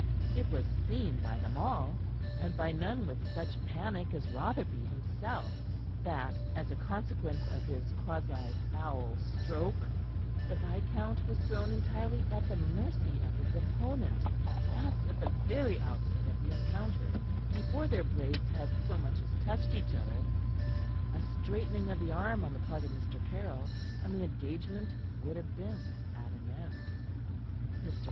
It was seen by them all, and by none with such panic as Rotherby himself, that, as a consequence of his quasi foul stroke, the viscount was thrown entirely at the mercy of his opponent thus at the very outset of the encounter, before their blades had so much as touched each other. A straightening of the arm on the part of Mr. Caryll, and the engagement would have been at an end. Mr.